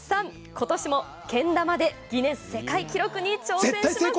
今年も、けん玉でギネス世界記録に挑戦します